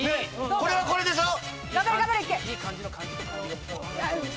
これはこれでしょ。